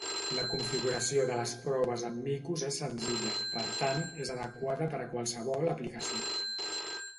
La configuració de les proves en micos és senzilla, per tant, és adequada per a qualsevol aplicació.